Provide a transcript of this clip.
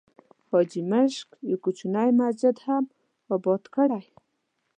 حاجي ماشک یو کوچنی مسجد هم آباد کړی.